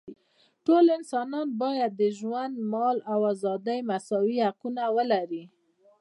ټول انسانان باید د ژوند، مال او ازادۍ مساوي حقونه ولري.